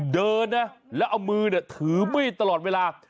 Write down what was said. เดินและเอามือถือมื้อตลอดเวลา